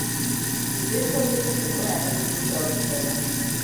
তিনি শ্রেষ্ঠ অভিনেত্রীর জন্য একাডেমি পুরস্কার অর্জন করেন।